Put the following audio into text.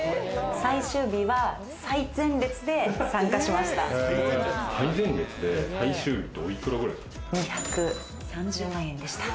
最終日は最前列で参加しました。